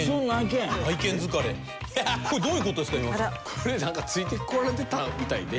これなんかついてこられてたみたいで。